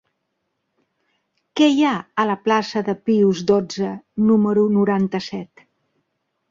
Què hi ha a la plaça de Pius dotze número noranta-set?